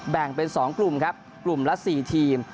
แบ่งเป็น๒กลุ่มครับกลุ่มละ๔ทีม